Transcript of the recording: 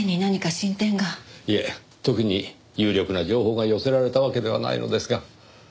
いえ特に有力な情報が寄せられたわけではないのですが。